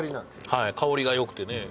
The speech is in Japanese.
香りがよくてね